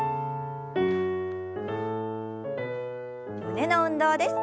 胸の運動です。